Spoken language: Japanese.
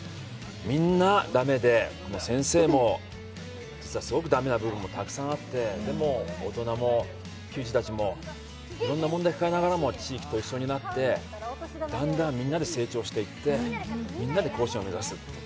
みんな駄目で、先生も実はすごく駄目な部分もたくさんあって、でも大人も球児たちもいろんな問題を抱えながらも地域と一緒になってだんだんみんなで成長していってみんなで甲子園を目指すっていう。